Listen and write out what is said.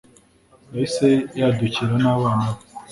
yahise yadukira n’abana be